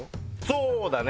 そうだね。